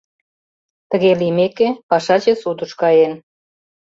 Тыге лиймеке, пашаче судыш каен.